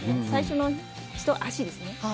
最初の足ですね。